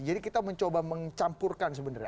jadi kita mencoba mencampurkan sebenarnya